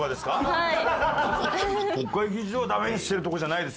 はい。